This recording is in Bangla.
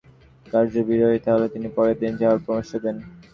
পরিষদের গঠনতন্ত্র, সবশেষ সভার কার্যবিবরণী চাইলে তিনি পরের দিন যাওয়ার পরামর্শ দেন।